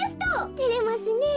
てれますねえ。